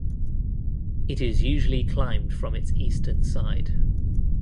It is usually climbed from its eastern side.